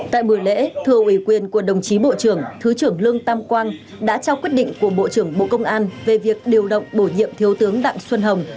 tại buổi lễ thưa ủy quyền của đồng chí bộ trưởng thứ trưởng lương tam quang đã trao quyết định của bộ trưởng bộ công an về việc điều động bổ nhiệm thiếu tướng đặng xuân hồng